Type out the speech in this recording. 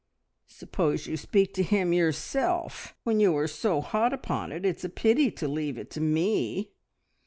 "Suppose you speak to him yourself! When you are so hot upon it, it's a pity to leave it to me."